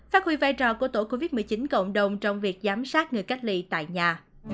phát huy vai trò của tổ covid một mươi chín cộng đồng trong việc giám sát người cách ly tại nhà